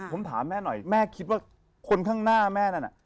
ผมถามแม่หน่อยแม่คิดว่าคนข้างหน้าแม่นั่นน่ะ